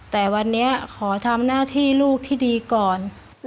แต่วันนี้ขอทำหน้าที่ลูกที่ดีก่อน